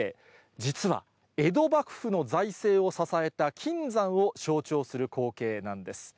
実は江戸幕府の財政を支えた金山を象徴する光景なんです。